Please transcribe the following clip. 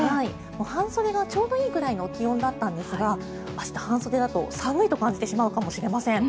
半袖がちょうどいいくらいの気温だったんですが明日、半袖だと、寒いと感じてしまうかもしれません。